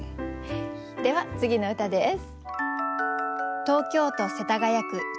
では次の歌です。